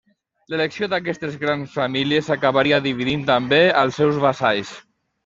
L'elecció d'aquestes grans famílies acabaria dividint també als seus vassalls.